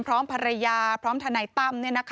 พร้อมภรรยาพร้อมทนายตั้ม